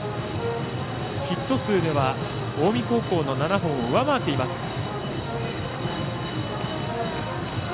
ヒット数では、近江高校の７本を上回っています。